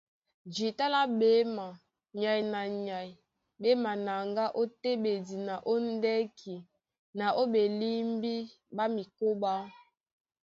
Jǐta lá ɓéma, nyay na nyay ɓé manaŋgá ó téɓedi na ó ndɛ́ki na ó ɓelímbí ɓá mikóɓá.